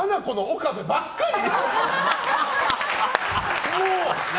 岡部ばっかりで。